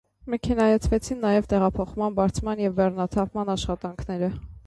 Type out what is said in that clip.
Մեքենայացվեցին նաև տեղափոխման, բարձման և բեռնաթափման աշխատանքները։